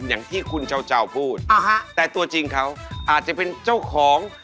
อย่างที่คุณเจ้าพูดแต่ตัวจริงเขาอาจจะเป็นเจ้าของ